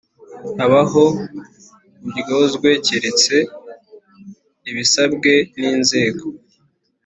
Habaho uburyozwe keretse abisabwe n inzego